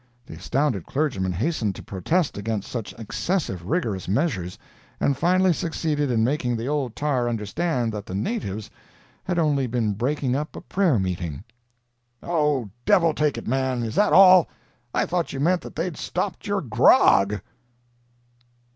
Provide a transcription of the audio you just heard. The astounded clergyman hastened to protest against such excessive rigorous measures, and finally succeeded in making the old tar understand that the natives had only been breaking up a prayer meeting. "Oh, devil take it, man, is that all? I thought you meant that they'd stopped your grog!"